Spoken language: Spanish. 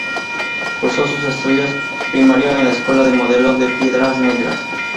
Cursó sus estudios primarios en la escuela Modelo de Piedras Negras.